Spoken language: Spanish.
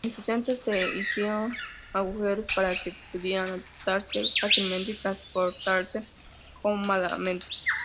En su centro se hicieron agujeros para que pudieran atarse fácilmente y transportarse cómodamente.